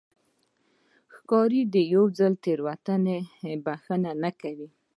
ښکاري د یو ځل تېروتنې بښنه نه کوي.